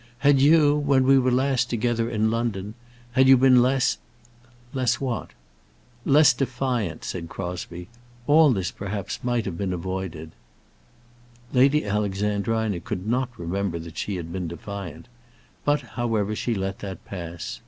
Had you, when we were last together in London had you been less " "Less what?" "Less defiant," said Crosbie, "all this might perhaps have been avoided." Lady Alexandrina could not remember that she had been defiant; but, however, she let that pass.